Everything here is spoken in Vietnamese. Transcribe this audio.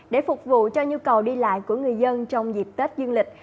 để phục vụ cho nhu cầu đi lại của người dân trong dịp tết dương lịch